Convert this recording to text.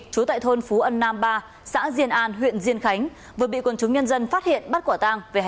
chú tại thôn phú ân nam ba xã diền an huyện diên khánh vừa bị quân chúng nhân dân phát hiện bắt quả tang